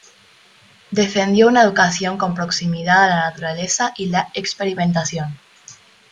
Defendió una educación con proximidad a la naturaleza y la experimentación.